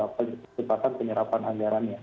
kecepatan penyerapan handarannya